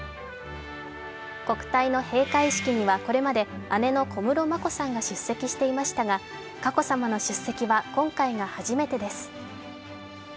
国体の閉会式にはこれまで姉の小室眞子さんが出席していましたが佳子さまの出席は今回が初めてです。